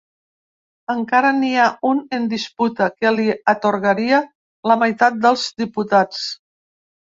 Encara n’hi ha un en disputa, que li atorgaria la meitat dels diputats.